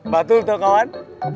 batul toh kawan